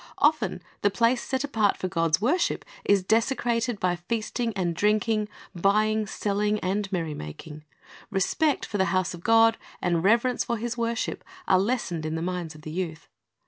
Often the place set apart for God's worship is desecrated by feasting and drinking, buying, selling, and merry making. Respect for the house of God and reverence for His worship are lessened in the minds of the youth.